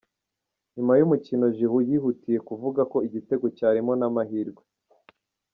Nyuma y'umukino Giroud yihutiye kuvuga ko igitego cyarimo n'amahirwe.